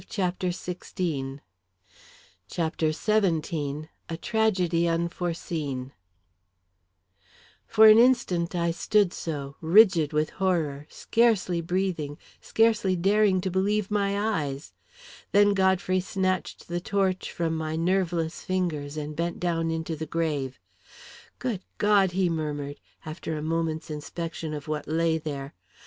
CHAPTER XVII A Tragedy Unforeseen For an instant I stood so, rigid with horror, scarcely breathing, scarcely daring to believe my eyes. Then Godfrey snatched the torch from my nerveless fingers, and bent down into the grave. "Good God!" he murmured, after a moment's inspection of what lay there.